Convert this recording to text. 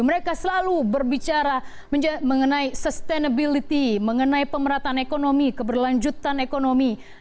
mereka selalu berbicara mengenai sustainability mengenai pemerataan ekonomi keberlanjutan ekonomi